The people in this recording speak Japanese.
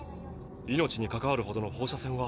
命にかかわるほどの放射線は。